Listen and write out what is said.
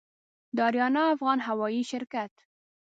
د آریانا افغان هوايي شرکت